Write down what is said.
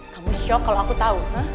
kamu shock kalau aku tahu